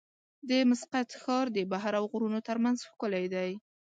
د مسقط ښار د بحر او غرونو ترمنځ ښکلی دی.